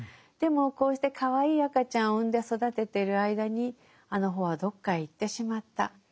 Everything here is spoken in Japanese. でもこうしてかわいい赤ちゃんを産んで育ててる間にあの帆はどっかへ行ってしまった。